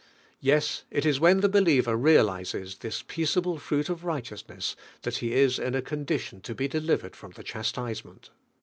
Yes; it is when the believer realises this "peaceable fruit of righteous T8 D1V1HA HEALINO. ness," flhat 'he is in a condition to be deliv ered fn>m the chastisement.